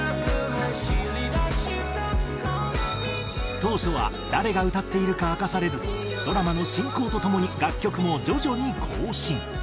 当初は誰が歌っているか明かされずドラマの進行とともに楽曲も徐々に更新。